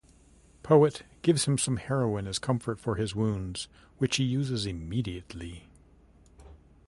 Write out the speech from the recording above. Poet gives him some heroin as comfort for his wounds, which he uses immediately.